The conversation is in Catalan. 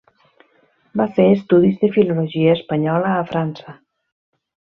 Va fer estudis de Filologia espanyola a França.